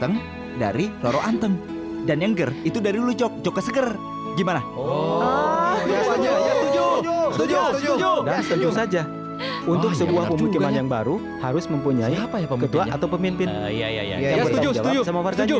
gimana kalau denjokas ger kita angkat sebagai ketua